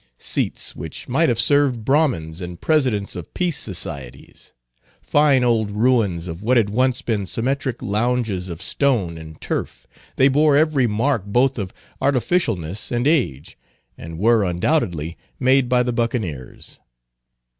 Seats which might have served Brahmins and presidents of peace societies. Fine old ruins of what had once been symmetric lounges of stone and turf, they bore every mark both of artificialness and age, and were, undoubtedly, made by the Buccaneers.